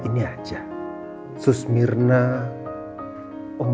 abed adalah seorang mud prayed for